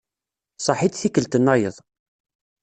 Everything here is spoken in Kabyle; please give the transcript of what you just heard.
Saḥit tikkelt-nnayeḍ.